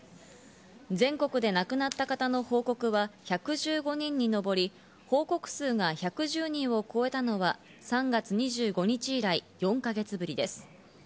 全国で亡くなった方の報告は１１５人に上り、報告数が１１０人を超えたのは３月２５日以来、４か月ぶりです。